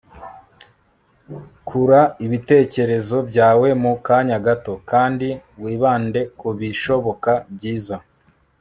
kura ibitekerezo byawe mu kanya gato, kandi wibande kubishoboka byiza